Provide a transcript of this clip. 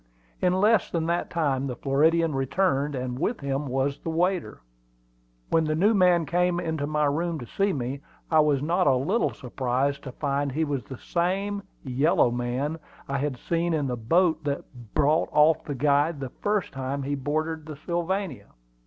In less than that time the Floridian returned, and with him was the waiter. When the new man came into my room to see me, I was not a little surprised to find he was the same "yellow man" I had seen in the boat that brought off the guide the first time he boarded the Sylvania.